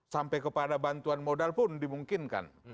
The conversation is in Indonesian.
sampai kepada bantuan modal pun dimungkinkan